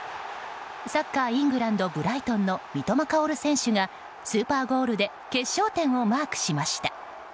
サッカーイングランド、ブライトンの三笘薫選手がスーパーゴールで決勝点をマークしました。